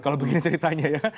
kalau begini ceritanya ya